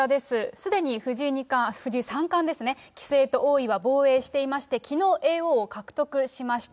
すでに藤井三冠、棋聖と王位は防衛していまして、きのう、叡王を獲得しました。